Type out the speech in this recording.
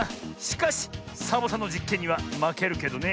しかしサボさんのじっけんにはまけるけどね。